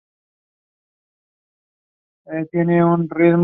La región está dominada por escarpadas montañas que componen un paisaje majestuoso.